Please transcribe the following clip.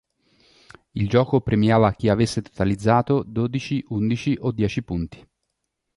Il gioco premiava chi avesse totalizzato dodici, undici o dieci punti.